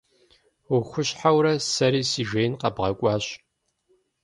Ухущхьэурэ сэри си жеин къэбгъэкӏуащ.